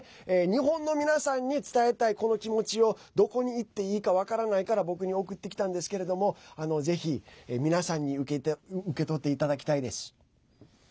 日本の皆さんに伝えたいこの気持ちをどこに言っていいか分からないから僕に送ってきたんですけれどもぜひ、皆さんに受け取っていただきたいです。